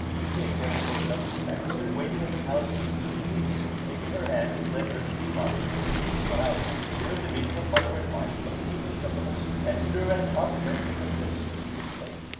The King, as a token of respect, stood waiting at the palace gates to receive her, and taking her hand he led her to the apartments of the Queen Pirouzè. Here at the meeting of mother and wife a scene of the most tender and heart rending affliction took place.